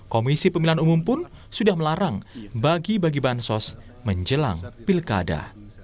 komisi pemilihan umum pun sudah melarang bagi bagi bansos menjelang pilkada